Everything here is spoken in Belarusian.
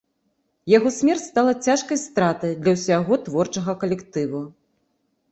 Яго смерць стала цяжкай стратай для ўсяго творчага калектыву.